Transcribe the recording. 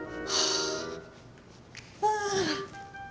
ああ。